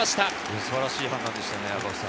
素晴らしい判断でしたね。